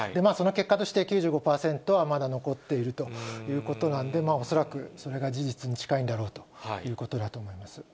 その結果として、９５％はまだ残っているということなんで、恐らく、それが事実に近いんだろうということだと思います。